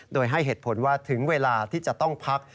โดยให้เหตุผลว่าถึงเวลาที่จะต้องพัก